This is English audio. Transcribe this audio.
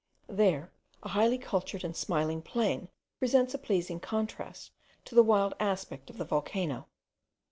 There, a highly cultured and smiling plain presents a pleasing contrast to the wild aspect of the volcano.